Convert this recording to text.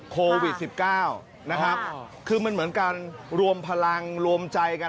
โควิด๑๙นะครับคือมันเหมือนการรวมพลังรวมใจกัน